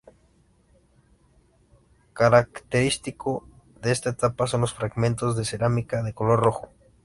Característico de esta etapa son los fragmentos de cerámica de color rojo.